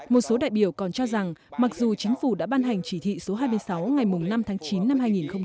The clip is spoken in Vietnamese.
một số đại biểu còn cho rằng mặc dù chính phủ đã ban hành chỉ thị số hai mươi sáu ngày năm tháng chín năm hai nghìn một mươi chín